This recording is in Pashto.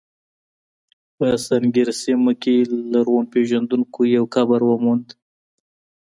په سنګیر سیمه کې لرغونپېژندونکو یو قبر وموند.